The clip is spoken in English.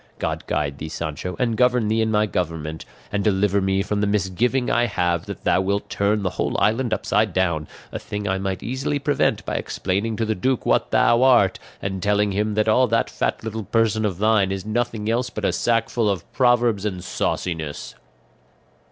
God guide thee, Sancho, and govern thee in thy government, and deliver me from the misgiving I have that thou wilt turn the whole island upside down, a thing I might easily prevent by explaining to the duke what thou art and telling him that all that fat little person of thine is nothing else but a sack full of proverbs and sauciness."